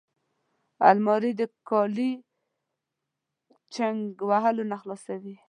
الماري د کالي چینګ وهلو نه خلاصوي